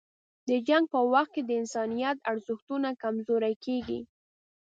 د جنګ په وخت کې د انسانیت ارزښتونه کمزوري کېږي.